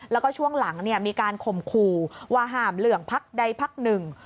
แล้วก็ช่วงหลังมีการข่มขู่ว่าห้ามเหลืองพักใดพักหนึ่ง